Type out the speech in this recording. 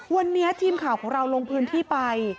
วันนี้ทีมข่าวของเราลงพื้นที่ไป